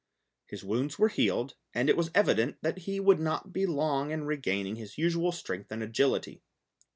His wounds were healed, and it was evident that he would not be long in regaining his usual strength and agility.